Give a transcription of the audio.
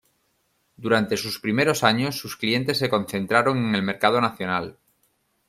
Durante sus primeros años sus clientes se concentraron en el mercado nacional.